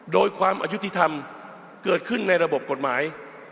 โดยความอายุติธรรมเกิดขึ้นในระบบกฎหมาย